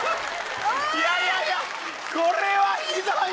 いやいやいやこれはひどい！